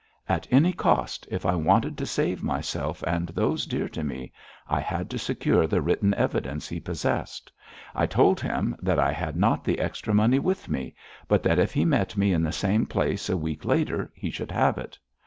At any cost, if I wanted to save myself and those dear to me, I had to secure the written evidence he possessed. I told him that I had not the extra money with me, but that if he met me in the same place a week later he should have it.